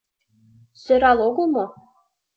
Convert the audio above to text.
Сӧрал огыл мо?